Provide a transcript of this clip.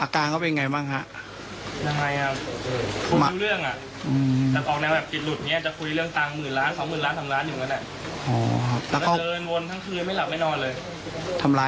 ประมาณ๒๐วันได้แล้วราวนี้แหละ